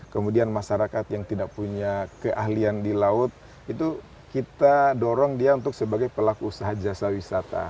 kemudian masyarakat yang tidak punya keahlian di laut itu kita dorong dia untuk sebagai pelaku usaha jasa wisata